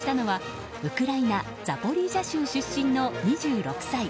一方、新十両に昇進したのはウクライナザポリージャ州出身の２６歳。